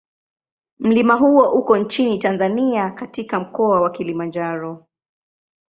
Mlima huo uko nchini Tanzania katika Mkoa wa Kilimanjaro.